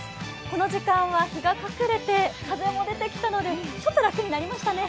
この時間は日が隠れて風も出てきたのでちょっと楽になりましたね。